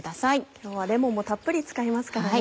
今日はレモンもたっぷり使いますからね。